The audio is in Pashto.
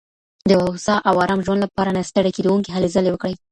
د هوسا او ارام ژوند لپاره نه ستړې کيدونکې هلي ځلي وکړئ.